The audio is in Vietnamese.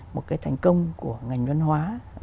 một cái thành công của một ngành văn hóa